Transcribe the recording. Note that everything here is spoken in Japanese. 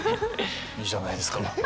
いいじゃないですか。